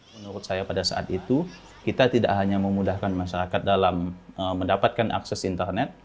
menurut saya pada saat itu kita tidak hanya memudahkan masyarakat dalam mendapatkan akses internet